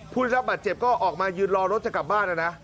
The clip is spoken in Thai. ผู้ทฤษฐาบาดเจ็บก็ออกมายืนรอรถจะกลับบ้านแล้วนะ